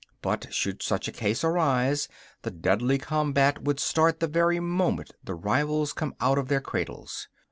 But should such a case arise, the deadly combat would start the very moment the rivals come out of their cradles.